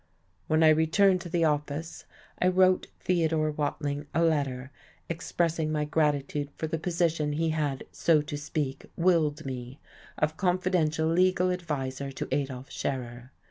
When I returned to the office I wrote Theodore Watling a letter expressing my gratitude for the position he had, so to speak, willed me, of confidential legal adviser to Adolf Scherer.